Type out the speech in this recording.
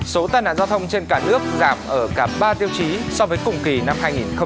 số tai nạn giao thông trên cả nước giảm ở cả ba tiêu chí so với cùng kỳ năm hai nghìn một mươi chín